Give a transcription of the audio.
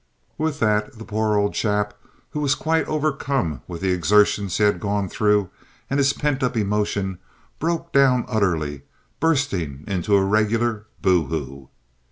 With that the poor old chap, who was quite overcome with the exertions he had gone through and his pent up emotion, broke down utterly, bursting into a regular boohoo.